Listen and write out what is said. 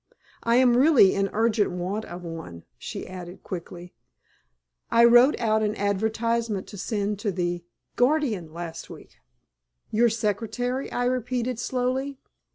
I am really in urgent want of one," she added, quickly; "I wrote out an advertisement to send to the Guardian last week." "Your secretary?" I repeated, slowly.